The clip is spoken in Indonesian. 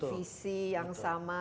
visi yang sama